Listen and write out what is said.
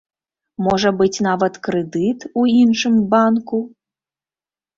Можа быць нават крэдыт у іншым банку.